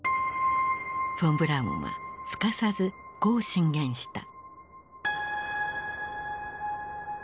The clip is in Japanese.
フォン・ブラウンはすかさずこう進言した。